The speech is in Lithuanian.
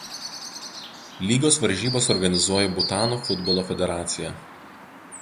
Lygos varžybas organizuoja Butano futbolo federacija.